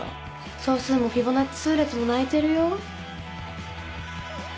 素数もフィボナッチ数列も泣いてるよ。